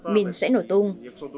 mình sẽ nổi tung